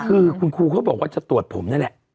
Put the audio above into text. คือคุณครูเขาบอกว่าจะตรวจผมนั่นแหละ